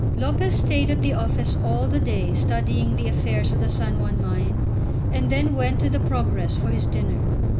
Lopez stayed at the office all the day studying the affairs of the San Juan mine, and then went to the Progress for his dinner.